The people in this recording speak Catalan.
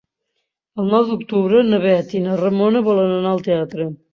El nou d'octubre na Bet i na Ramona volen anar al teatre.